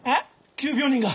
急病人が！